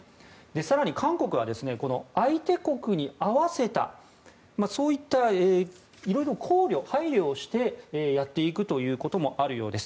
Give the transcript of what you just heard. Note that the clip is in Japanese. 更に、韓国は相手国に合わせたいろいろ考慮、配慮をしてやっていくということもあるようです。